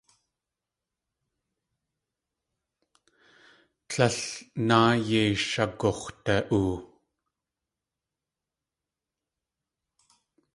Tlél náa yéi shagux̲da.oo.